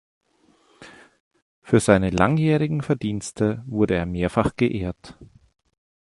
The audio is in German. Für seine langjährigen Verdienste wurde er mehrfach geehrt.